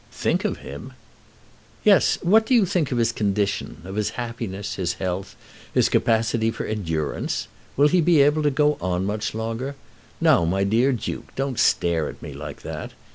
"Think of him!" "Yes; what do you think of his condition; of his happiness, his health, his capacity of endurance? Will he be able to go on much longer? Now, my dear Duke, don't stare at me like that.